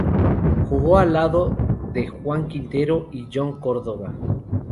Jugó al lado de Juan Quintero y Jhon Cordoba.